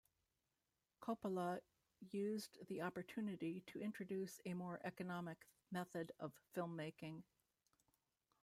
Coppola used the opportunity to introduce a more economic method of filmmaking.